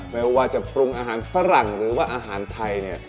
ไม่ว่าจะปรุงอาหารฝรั่งหรือว่าอาหารไทยเนี่ย